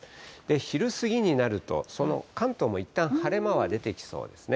昼過ぎになると、その関東もいったん晴れ間は出てきそうですね。